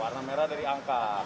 warna merah dari angka